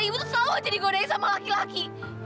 ibu tuh selalu aja digodai sama laki laki